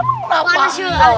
kamu udah usantren